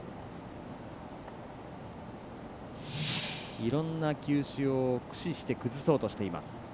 いろんな球種を駆使して崩そうとしています。